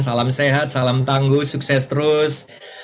salam sehat salam tangguh sukses terus